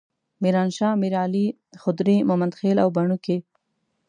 میرانشاه، میرعلي، خدري، ممندخیل او بنو کې.